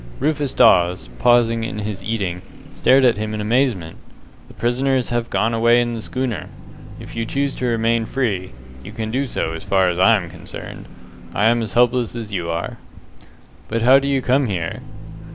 Rufus Dawes, pausing in his eating, stared at him in amazement. "The prisoners have gone away in the schooner. If you choose to remain free, you can do so as far as I am concerned. I am as helpless as you are." "But how do you come here?"